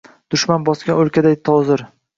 Dushman bosgan oʼlkaday toʼzir